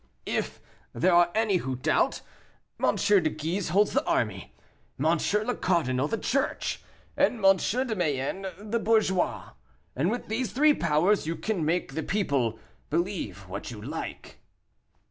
If there are any who doubt, M. de Guise holds the army, M. le Cardinal the Church, and M. de Mayenne the bourgeois; and with these three powers you can make the people believe what you like."